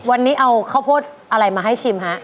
วันนี้เอาข้าวโพดอะไรมาให้ชิมฮะ